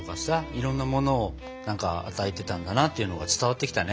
いろんなものを与えてたんだなっていうのが伝わってきたね。